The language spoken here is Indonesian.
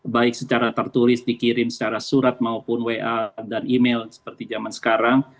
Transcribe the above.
baik secara tertulis dikirim secara surat maupun wa dan email seperti zaman sekarang